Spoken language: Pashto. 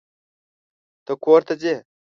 ته کور ته ځې.